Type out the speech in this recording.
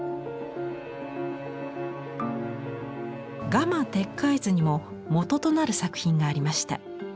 「蝦蟇鉄拐図」にも元となる作品がありました。